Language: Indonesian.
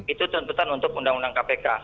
itu tuntutan untuk undang undang kpk